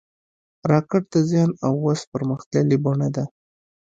راکټ د ذهن او وس پرمختللې بڼه ده